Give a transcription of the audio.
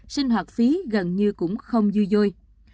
sinh hoạt phí gần như cũng không dư dôi